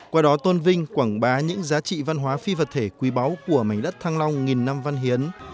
qua đó tôn vinh quảng bá những giá trị văn hóa phi vật thể quý báu của mảnh đất thăng long nghìn năm văn hiến